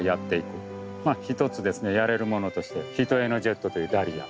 まあ一つですねやれるものとして一重のジェットというダリア。